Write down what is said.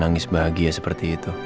nangis bahagia seperti itu